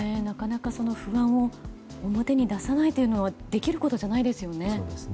なかなか不安を表に出さないというのはできることではないですよね。